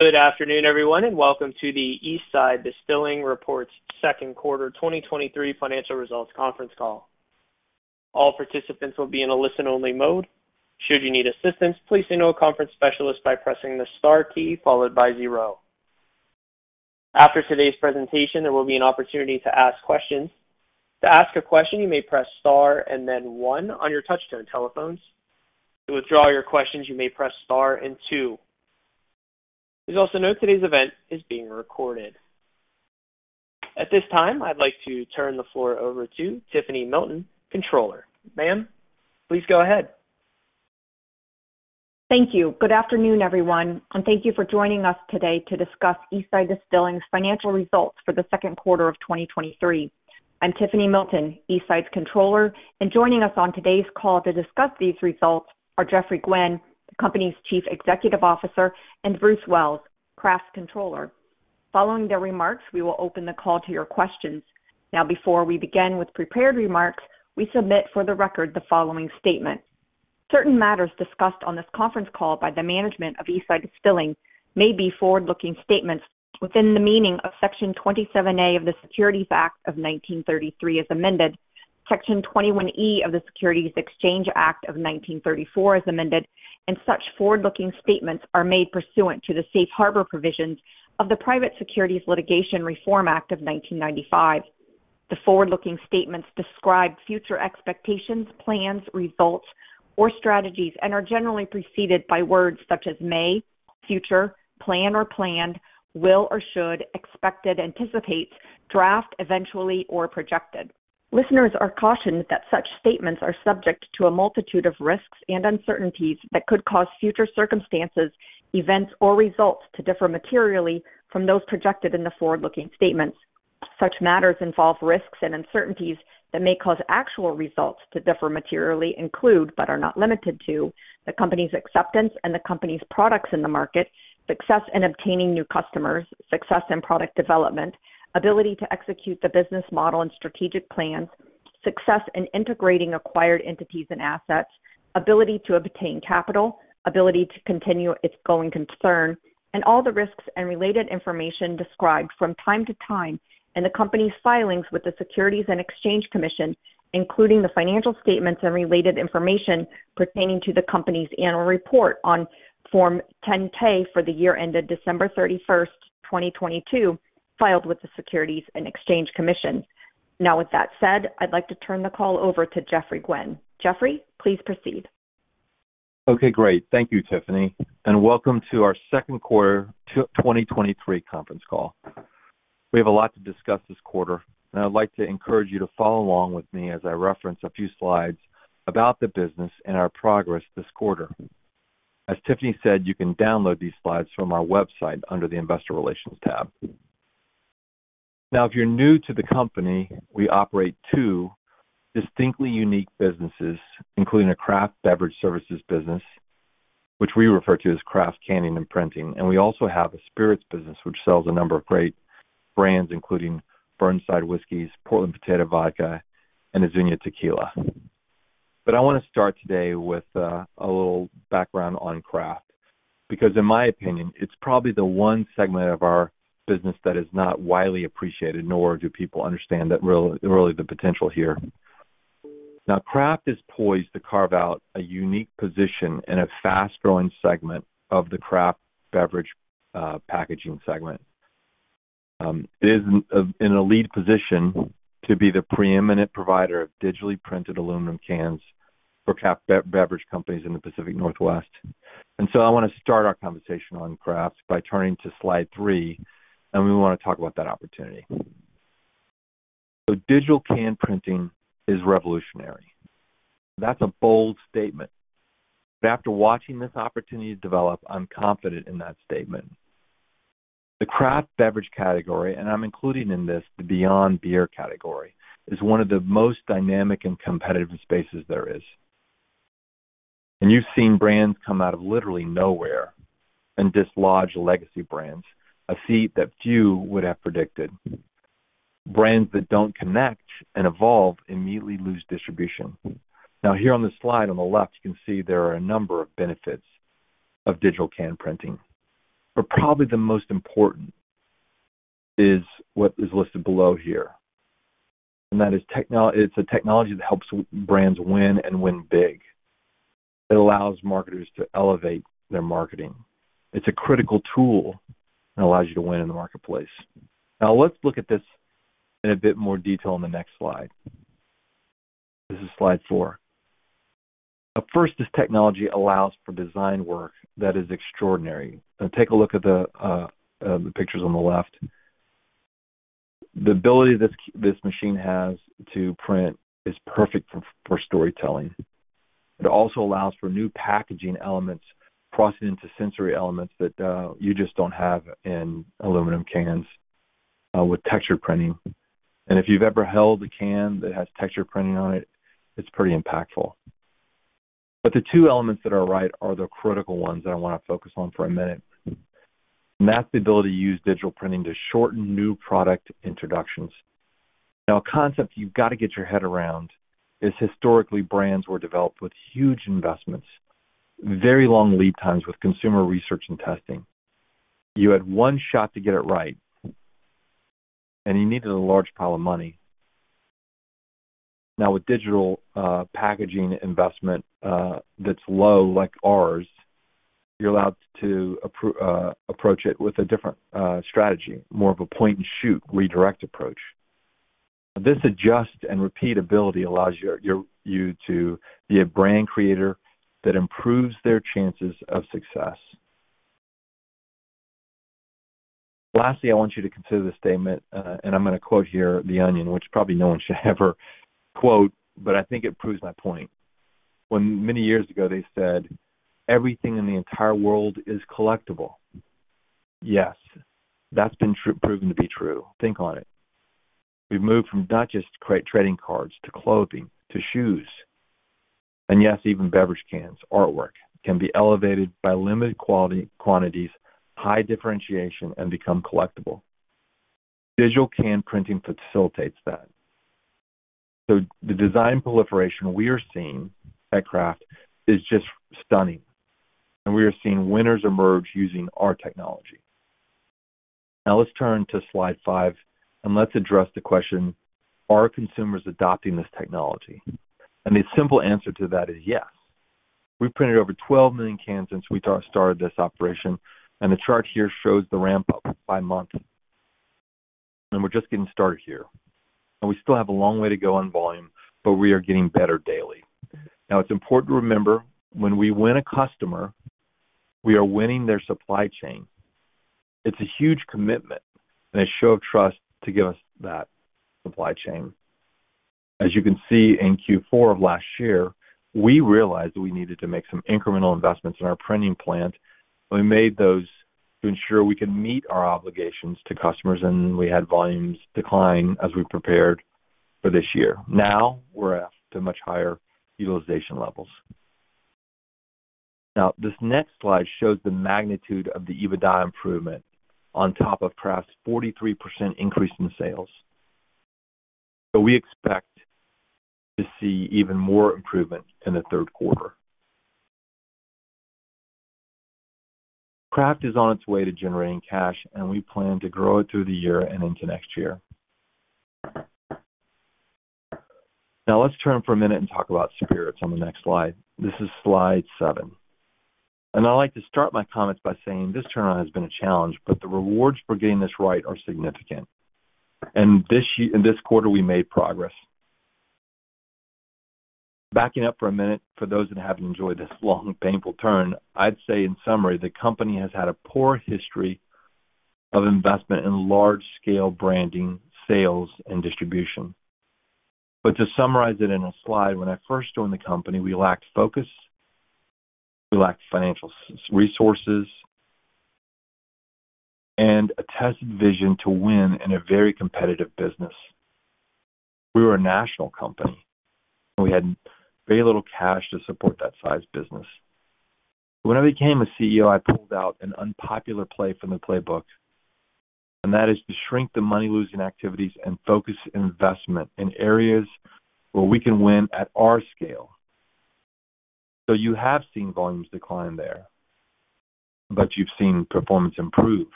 Good afternoon, everyone, and welcome to the Eastside Distilling Reports second quarter 2023 financial results conference call. All participants will be in a listen-only mode. Should you need assistance, please send to a conference specialist by pressing the star key followed by zero. After today's presentation, there will be an opportunity to ask questions. To ask a question, you may press Star and then one on your touchtone telephones. To withdraw your questions, you may press star and two. Please also note today's event is being recorded. At this time, I'd like to turn the floor over to Tiffany Milton, Controller. Ma'am, please go ahead. Thank you. Good afternoon, everyone, and thank you for joining us today to discuss Eastside Distilling's financial results for the second quarter of 2023. I'm Tiffany Milton, Eastside's controller, and joining us on today's call to discuss these results are Geoffrey Gwin, the company's Chief Executive Officer, and Bruce Wells, Craft's Controller. Following their remarks, we will open the call to your questions. Now, before we begin with prepared remarks, we submit for the record the following statement: Certain matters discussed on this conference call by the management of Eastside Distilling may be forward-looking statements within the meaning of Section 27A of the Securities Act of 1933 as amended, Section 21E of the Securities Exchange Act of 1934 as amended, and such forward-looking statements are made pursuant to the safe harbor provisions of the Private Securities Litigation Reform Act of 1995. The forward-looking statements describe future expectations, plans, results, or strategies and are generally preceded by words such as may, future, plan or planned, will or should, expected, anticipate, draft, eventually, or projected. Listeners are cautioned that such statements are subject to a multitude of risks and uncertainties that could cause future circumstances, events, or results to differ materially from those projected in the forward-looking statements. Such matters involve risks and uncertainties that may cause actual results to differ materially include, but are not limited to, the company's acceptance and the company's products in the market, success in obtaining new customers, success in product development, ability to execute the business model and strategic plans, success in integrating acquired entities and assets, ability to obtain capital, ability to continue its going concern, and all the risks and related information described from time to time in the company's filings with the Securities and Exchange Commission, including the financial statements and related information pertaining to the company's annual report on Form 10-K for the year ended December 31, 2022, filed with the Securities and Exchange Commission. With that said, I'd like to turn the call over to Geoffrey Gwin. Geoffrey, please proceed. Okay, great. Thank you, Tiffany, and welcome to our second quarter 2023 conference call. We have a lot to discuss this quarter, and I'd like to encourage you to follow along with me as I reference a few slides about the business and our progress this quarter. As Tiffany said, you can download these slides from our website under the Investor Relations tab. Now, if you're new to the company, we operate two distinctly unique businesses, including a craft beverage services business, which we refer to as Craft Canning + Printing, and we also have a spirits business, which sells a number of great brands, including Burnside Whiskeys, Portland Potato Vodka, and Azunia Tequila. I want to start today with a little background on Craft, because in my opinion, it's probably the one segment of our business that is not widely appreciated, nor do people understand that really the potential here. Craft is poised to carve out a unique position in a fast-growing segment of the craft beverage packaging segment. It is in an elite position to be the preeminent provider of digitally printed aluminum cans for craft beverage companies in the Pacific Northwest. I want to start our conversation on Craft by turning to Slide three, and we want to talk about that opportunity. Digital can printing is revolutionary. That's a bold statement, but after watching this opportunity develop, I'm confident in that statement. The craft beverage category, and I'm including in this the Beyond Beer category, is one of the most dynamic and competitive spaces there is. You've seen brands come out of literally nowhere and dislodge legacy brands, a feat that few would have predicted. Brands that don't connect and evolve immediately lose distribution. Here on this slide on the left, you can see there are a number of benefits of digital can printing. Probably the most important is what is listed below here, and that is it's a technology that helps brands win and win big. It allows marketers to elevate their marketing. It's a critical tool that allows you to win in the marketplace. Let's look at this in a bit more detail on the next slide. This is Slide four. Up first, this technology allows for design work that is extraordinary. Now take a look at the pictures on the left. The ability this, this machine has to print is perfect for storytelling. It also allows for new packaging elements crossing into sensory elements that you just don't have in aluminum cans with texture printing. If you've ever held a can that has texture printing on it, it's pretty impactful. The two elements that are right are the critical ones that I want to focus on for a minute. That's the ability to use digital printing to shorten new product introductions. A concept you've got to get your head around is historically, brands were developed with huge investments, very long lead times with consumer research and testing. You had one shot to get it right, and you needed a large pile of money. Now, with digital packaging investment that's low, like ours, you're allowed to approach it with a different strategy, more of a point-and-shoot, redirect approach. This adjust and repeatability allows you to be a brand creator that improves their chances of success. Lastly, I want you to consider this statement, and I'm going to quote here The Onion, which probably no one should ever quote, but I think it proves my point. When many years ago they said, "Everything in the entire world is collectible." Yes, that's been true, proven to be true. Think on it. We've moved from not just trading cards to clothing, to shoes, and yes, even beverage cans. Artwork can be elevated by limited quality, quantities, high differentiation, and become collectible. Digital can printing facilitates that. The design proliferation we are seeing at Craft is just stunning, and we are seeing winners emerge using our technology. Now, let's turn to Slide five, and let's address the question: Are consumers adopting this technology? The simple answer to that is yes. We've printed over 12 million cans since we started this operation, and the chart here shows the ramp-up by month. We're just getting started here, and we still have a long way to go on volume, but we are getting better daily. Now, it's important to remember, when we win a customer, we are winning their supply chain. It's a huge commitment and a show of trust to give us that supply chain. As you can see, in Q4 of last year, we realized that we needed to make some incremental investments in our printing plant. We made those to ensure we could meet our obligations to customers, and we had volumes decline as we prepared for this year. We're at to much higher utilization levels. This next slide shows the magnitude of the EBITDA improvement on top of Craft's 43% increase in sales. We expect to see even more improvement in the third quarter. Craft is on its way to generating cash, and we plan to grow it through the year and into next year. Let's turn for a minute and talk about Spirits on the next slide. This is slide seven, and I'd like to start my comments by saying this turnaround has been a challenge, but the rewards for getting this right are significant. In this quarter, we made progress. Backing up for a minute, for those that haven't enjoyed this long, painful turn, I'd say in summary, the company has had a poor history of investment in large-scale branding, sales, and distribution. To summarize it in a slide, when I first joined the company, we lacked focus, we lacked financial resources, and a tested vision to win in a very competitive business. We were a national company, and we had very little cash to support that size business. When I became a CEO, I pulled out an unpopular play from the playbook, and that is to shrink the money-losing activities and focus investment in areas where we can win at our scale. You have seen volumes decline there, but you've seen performance improve.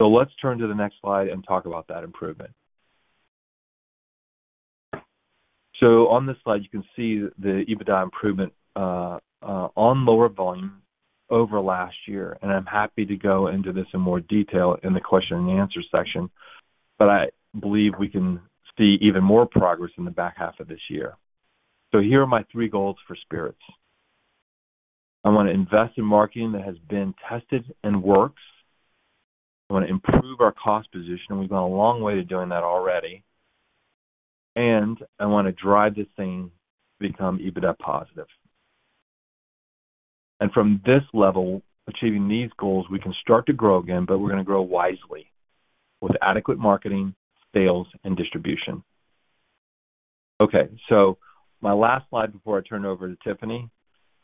Let's turn to the next slide and talk about that improvement. On this slide, you can see the EBITDA improvement on lower volumes over last year, and I'm happy to go into this in more detail in the question and answer section, but I believe we can see even more progress in the back half of this year. Here are my three goals for Spirits. I want to invest in marketing that has been tested and works. I want to improve our cost position. We've gone a long way to doing that already. I want to drive this thing to become EBITDA positive. From this level, achieving these goals, we can start to grow again, but we're going to grow wisely with adequate marketing, sales, and distribution. Okay, my last slide before I turn it over to Tiffany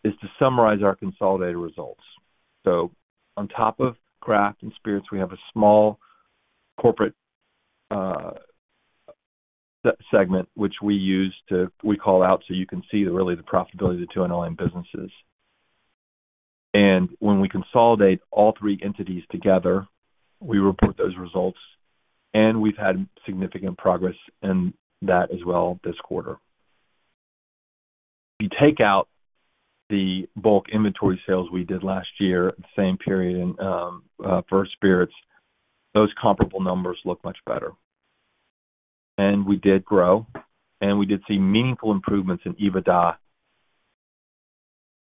is to summarize our consolidated results. On top of Craft and Spirits, we have a small corporate segment, which we use to... We call out, so you can see the, really, the profitability of the two online businesses. When we consolidate all three entities together, we report those results, and we've had significant progress in that as well this quarter. You take out the bulk inventory sales we did last year, same period in for Spirits, those comparable numbers look much better. We did grow, and we did see meaningful improvements in EBITDA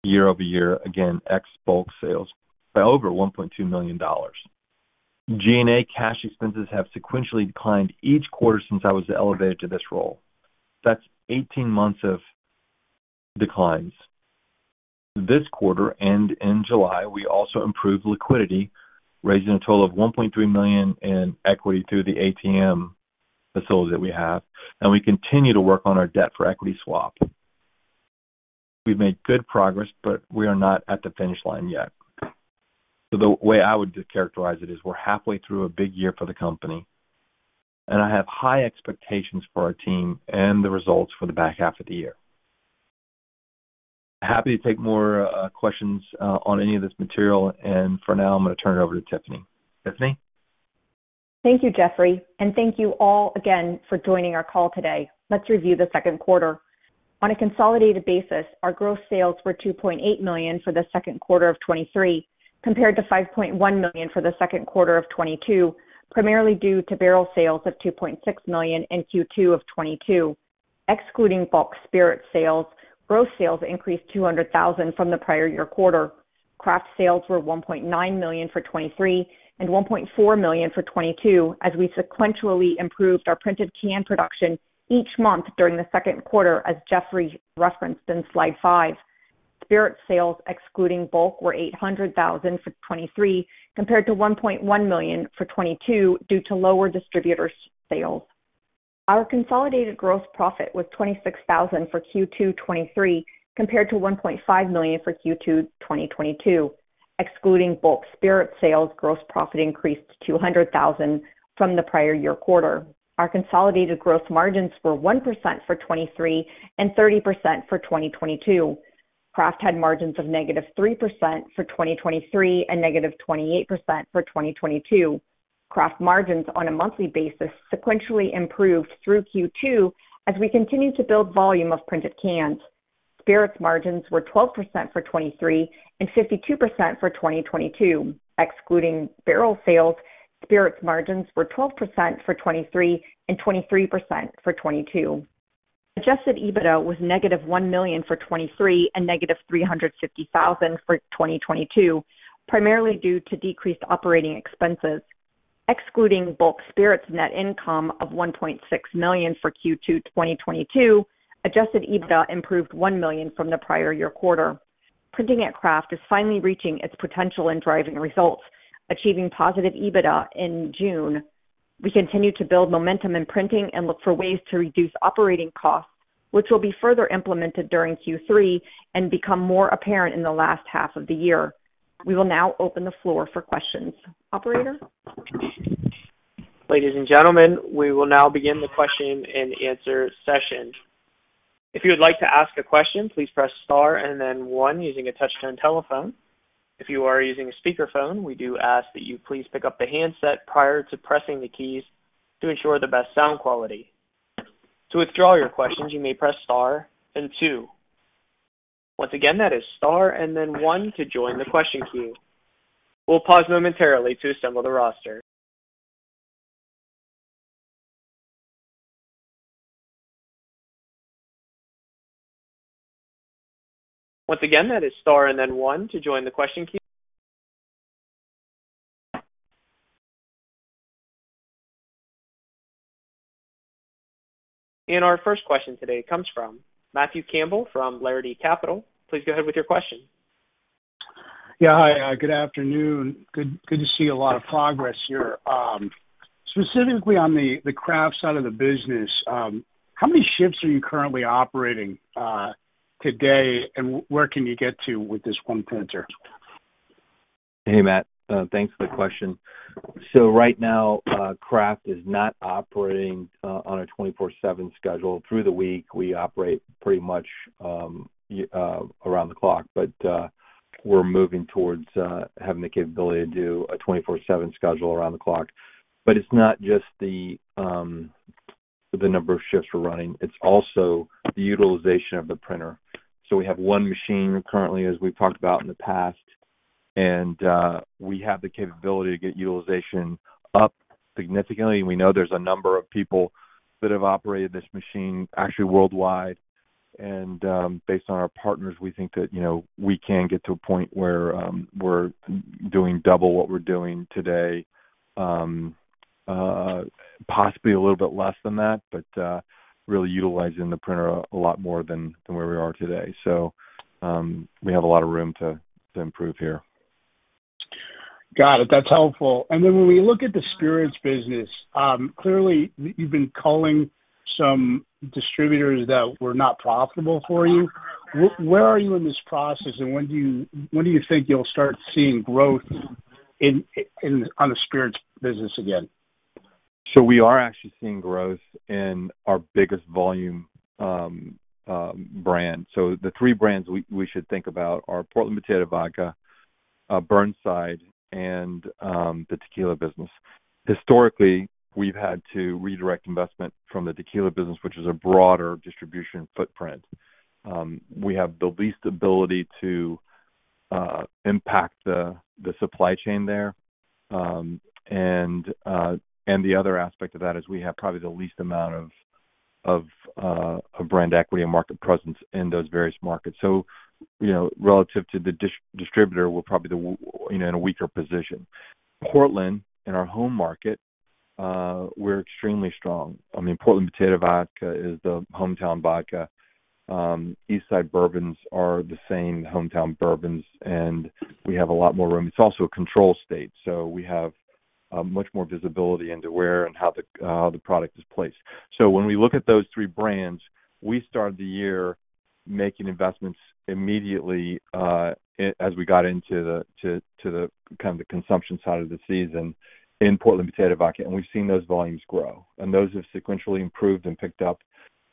year-over-year. Again, ex bulk sales by over $1.2 million. G&A cash expenses have sequentially declined each quarter since I was elevated to this role. That's 18 months of declines. This quarter, in July, we also improved liquidity, raising a total of $1.3 million in equity through the ATM facilities that we have, and we continue to work on our debt-for-equity swap. We've made good progress, but we are not at the finish line yet. The way I would characterize it is we're halfway through a big year for the company, and I have high expectations for our team and the results for the back half of the year. Happy to take more questions on any of this material. For now, I'm going to turn it over to Tiffany. Tiffany? Thank you, Geoffrey, and thank you all again for joining our call today. Let's review the second quarter. On a consolidated basis, our gross sales were $2.8 million for the second quarter of 2023, compared to $5.1 million for the second quarter of 2022, primarily due to barrel sales of $2.6 million in Q2 of 2022. Excluding bulk spirit sales, gross sales increased $200,000 from the prior year quarter. Craft sales were $1.9 million for 2023 and $1.4 million for 2022, as we sequentially improved our printed can production each month during the second quarter as Geoffrey referenced in Slide five. Spirit sales, excluding bulk, were $800,000 for 2023, compared to $1.1 million for 2022, due to lower distributor sales. Our consolidated gross profit was $26,000 for Q2 2023, compared to $1.5 million for Q2 2022. Excluding bulk spirit sales, gross profit increased to $200,000 from the prior year quarter. Our consolidated gross margins were 1% for 2023 and 30% for 2022. Craft had margins of -3% for 2023 and -28% for 2022. Craft margins on a monthly basis sequentially improved through Q2 as we continued to build volume of printed cans. Spirits margins were 12% for 2023 and 52% for 2022. Excluding barrel sales, spirits margins were 12% for 2023 and 23% for 2022. Adjusted EBITDA was negative $1 million for 2023 and negative $350,000 for 2022, primarily due to decreased operating expenses. Excluding bulk spirits net income of $1.6 million for Q2 2022, Adjusted EBITDA improved $1 million from the prior year quarter. Printing at Craft is finally reaching its potential in driving results, achieving positive EBITDA in June. We continue to build momentum in printing and look for ways to reduce operating costs, which will be further implemented during Q3 and become more apparent in the last half of the year. We will now open the floor for questions. Operator? Ladies and gentlemen, we will now begin the question and answer session. If you would like to ask a question, please press star and then one using a touch-tone telephone. If you are using a speakerphone, we do ask that you please pick up the handset prior to pressing the keys to ensure the best sound quality. To withdraw your questions, you may press star and two. Once again, that is star and then one to join the question queue. We'll pause momentarily to assemble the roster. Once again, that is star and then one to join the question queue. Our first question today comes from Matthew Campbell from Laridae Capital. Please go ahead with your question. Yeah. Hi, good afternoon. Good, good to see a lot of progress here. Specifically on the, the Craft side of the business, how many shifts are you currently operating today, and where can you get to with this one printer? Hey, Matt, thanks for the question. Right now, Craft is not operating on a 24/7 schedule. Through the week, we operate pretty much around the clock, but we're moving towards having the capability to do a 24/7 schedule around the clock. It's not just the number of shifts we're running, it's also the utilization of the printer. We have one machine currently, as we've talked about in the past, and we have the capability to get utilization up significantly. We know there's a number of people that have operated this machine, actually worldwide, and based on our partners, we think that, you know, we can get to a point where we're doing double what we're doing today. Possibly a little bit less than that, but really utilizing the printer a lot more than, than where we are today. We have a lot of room to, to improve here. Got it. That's helpful. When we look at the spirits business, clearly you've been culling some distributors that were not profitable for you. Where are you in this process, and when do you, when do you think you'll start seeing growth in, in, on the spirits business again? We are actually seeing growth in our biggest volume brand. The three brands we, we should think about are Portland Potato Vodka, Burnside, and the tequila business. Historically, we've had to redirect investment from the tequila business, which is a broader distribution footprint. We have the least ability to impact the supply chain there. And the other aspect of that is we have probably the least amount of brand equity and market presence in those various markets. You know, relative to the distributor, we're probably the, you know, in a weaker position. Portland, in our home market, we're extremely strong. I mean, Portland Potato Vodka is the hometown vodka. Eastside bourbons are the same hometown bourbons, and we have a lot more room. It's also a control state, so we have-... Much more visibility into where and how the product is placed. When we look at those three brands, we started the year making investments immediately, as we got into the kind of the consumption side of the season in Portland Potato Vodka, and we've seen those volumes grow. Those have sequentially improved and picked up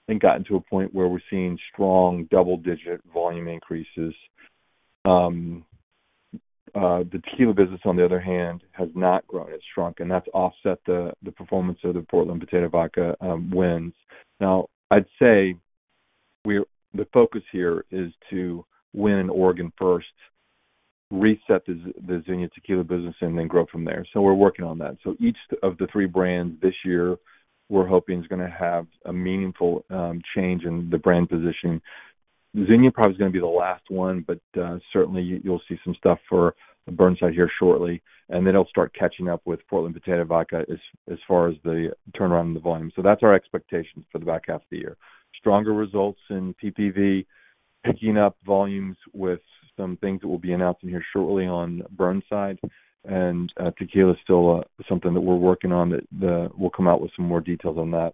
and gotten to a point where we're seeing strong double-digit volume increases. The tequila business, on the other hand, has not grown. It's shrunk, and that's offset the performance of the Portland Potato Vodka wins. I'd say we're, the focus here is to win in Oregon first, reset the Azunia Tequila business, and then grow from there. We're working on that. Each of the three brands this year, we're hoping, is gonna have a meaningful change in the brand positioning. Azunia probably is gonna be the last one, but certainly you'll see some stuff for the Burnside here shortly, and then it'll start catching up with Portland Potato Vodka as far as the turnaround in the volume. That's our expectations for the back half of the year. Stronger results in PPV, picking up volumes with some things that we'll be announcing here shortly on Burnside, and tequila is still something that we're working on, that we'll come out with some more details on that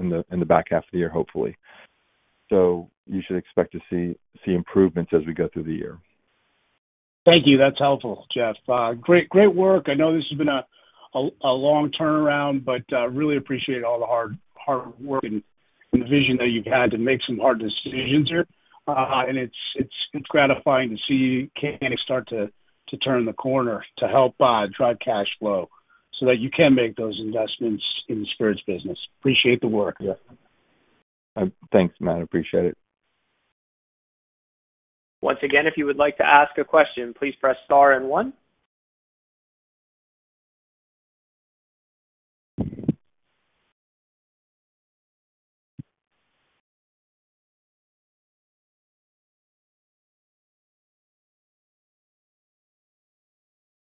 in the back half of the year, hopefully. You should expect to see improvements as we go through the year. Thank you. That's helpful, Geoff. Great, great work. I know this has been a long turnaround, but, really appreciate all the hard, hard work and the vision that you've had to make some hard decisions here. It's, it's, it's gratifying to see you kind of start to turn the corner to help drive cash flow so that you can make those investments in the spirits business. Appreciate the work. Yeah. Thanks, Matt. I appreciate it. Once again, if you would like to ask a question, please press Star and one.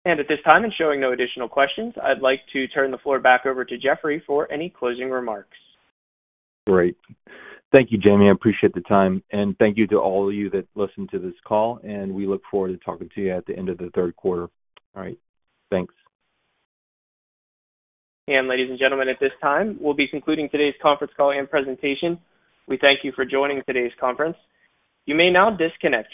At this time, showing no additional questions, I'd like to turn the floor back over to Geoffrey for any closing remarks. Great. Thank you, Jamie. I appreciate the time. Thank you to all of you that listened to this call, and we look forward to talking to you at the end of the third quarter. All right. Thanks. Ladies and gentlemen, at this time, we'll be concluding today's conference call and presentation. We thank you for joining today's conference. You may now disconnect.